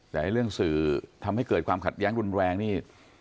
แต่เรื่องสื่อทำให้เกิดความขัดแย้งรุนแรงนี่